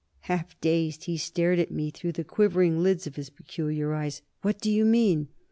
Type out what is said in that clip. Half dazed, he stared at me through the quivering lids of his peculiar eyes. "What do you mean?"